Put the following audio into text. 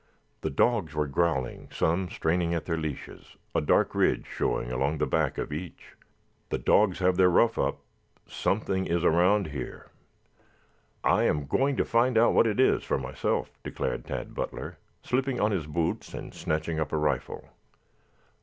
The dogs were growling, some straining at their leashes, a dark ridge showing along the back of each. "The dogs have their rough up. Something is around here. I am going to find out what it is for myself," declared Tad Butler, slipping on his boots and snatching up a rifle.